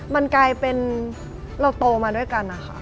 มันกลายเป็นเราโตมาด้วยกันนะคะ